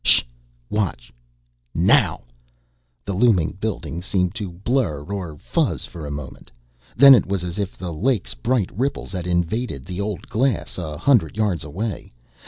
"Sh! Watch! Now!" The looming building seemed to blur or fuzz for a moment. Then it was as if the lake's bright ripples had invaded the old glass a hundred yards away.